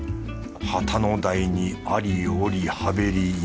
旗の台にありおりはべりいまそかり